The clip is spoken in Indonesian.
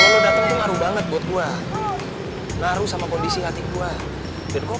kalo lo dateng tuh ngaruh banget buat gue ngaruh sama kondisi hati gue